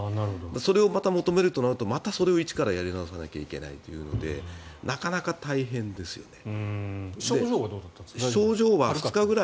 それをまた求めるとなるとまたそれを、一からやり直さないといけないのでなかなか大変ですよね。